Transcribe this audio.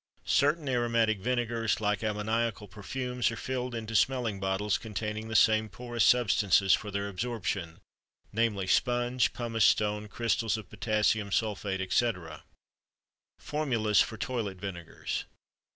Certain aromatic vinegars, like ammoniacal perfumes, are filled into smelling bottles containing the same porous substances for their absorption, namely, sponge, pumice stone, crystals of potassium sulphate, etc. FORMULAS FOR TOILET VINEGARS.